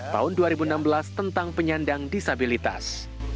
tahun dua ribu enam belas tentang penyandang disabilitas